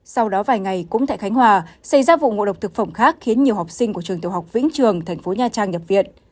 sau đó vài ngày cũng tại khánh hòa xảy ra vụ ngộ độc thực phẩm khác khiến nhiều học sinh của trường tiểu học vĩnh trường thành phố nha trang nhập viện